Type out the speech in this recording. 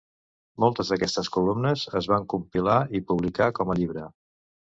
Moltes d'aquestes columnes es van compilar i publicar com a llibre.